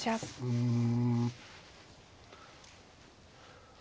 うん。